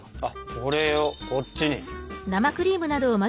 これをこっちに。